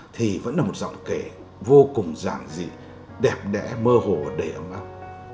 thì vẫn là một giọng kể vô cùng giản dị đẹp đẽ mơ hồ đầy ấm áp